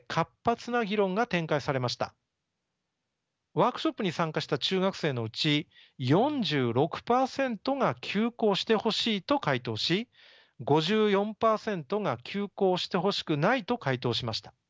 ワークショップに参加した中学生のうち４６％が休校してほしいと回答し５４％が休校してほしくないと回答しました。